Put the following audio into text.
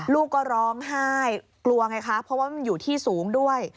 ลูกก็ร้องไห้กลัวไงคะเพราะว่ามันอยู่ที่สูงด้วย